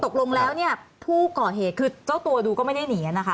ออกลงแล้วผู้ก่อเหตุคือเจ้าตัวก็ไม่ได้หนี